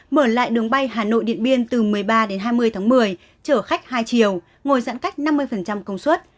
mở lại đường bay hà nội điện biên từ một mươi ba đến hai mươi tháng một mươi chở khách hai chiều ngồi giãn cách năm mươi công suất